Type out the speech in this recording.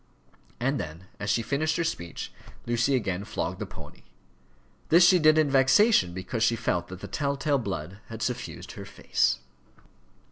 And then as she finished her speech, Lucy again flogged the pony. This she did in vexation, because she felt that the tell tale blood had suffused her face.